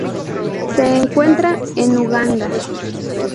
Se encuentra en Uganda.